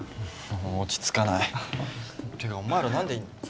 落ち着かないってかお前ら何でいんの？